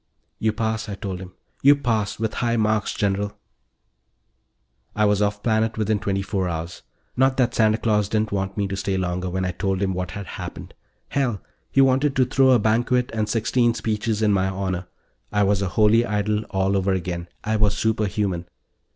"You pass," I told him. "You pass with high marks, General." I was off planet within twenty four hours. Not that Santa Claus didn't want me to stay longer, when I told him what had happened. Hell, he wanted to throw a banquet and sixteen speeches in my honor. I was a holy Idol all over again. I was superhuman.